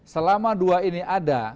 selama dua ini ada